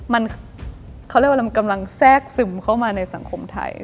มันเขาเรียกว่ามันกำลังแทรกซึมเข้ามาในสังคมไทย